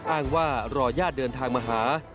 อ้างว่ารอญาติเดินทางมาหา